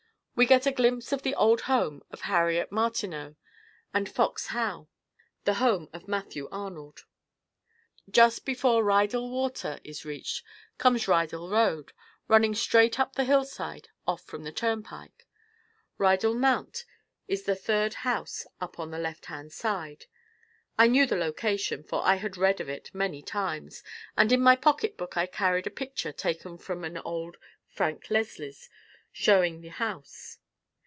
We get a glimpse of the old home of Harriet Martineau, and "Fox Howe," the home of Matthew Arnold. Just before Rydal Water is reached comes Rydal Road, running straight up the hillside, off from the turnpike. Rydal Mount is the third house up on the left hand side, I knew the location, for I had read of it many times, and in my pocketbook I carried a picture taken from an old "Frank Leslie's," showing the house.